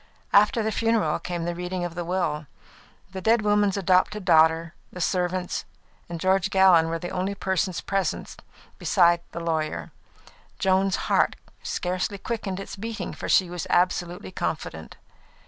After the funeral came the reading of the will. The dead woman's adopted daughter, the servants, and George Gallon were the only persons present besides the lawyer. Joan's heart scarcely quickened its beating, for she was absolutely confident.